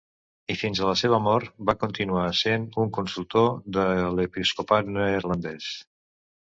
I fins a la seva mort, va continuar sent un consultor de l'episcopat neerlandès.